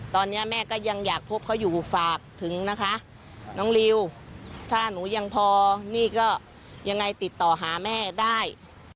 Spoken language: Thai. ตอนนี้แม่ก็ยังอยากพบเขาอยู่ฝากถึงนะคะน้องริวถ้าหนูยังพอนี่ก็ยังไงติดต่อหาแม่ได้